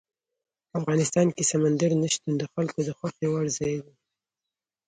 افغانستان کې سمندر نه شتون د خلکو د خوښې وړ ځای دی.